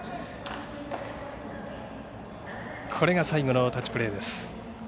これが最後のタッチプレーです。